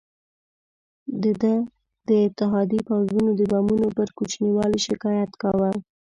ده د اتحادي پوځونو د بمونو پر کوچني والي شکایت کاوه.